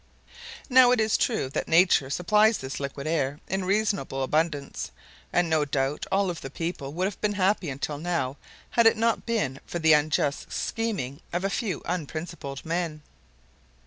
Now it is true that nature supplies this liquid air in reasonable abundance, and no doubt all the people would have been happy until now had it not been for the unjust scheming of a few unprincipled men.